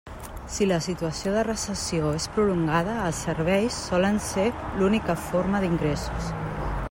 Si la situació de recessió és prolongada, els serveis solen ser l'única forma d'ingressos.